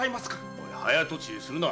おい早とちりするな。